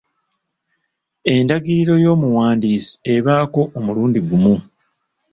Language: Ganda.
Endagiriro y'omuwandiisi ebaako omulundi gumu.